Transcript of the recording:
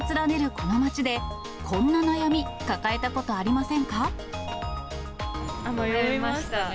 この街で、こんな悩み、抱えたこと迷いましたね。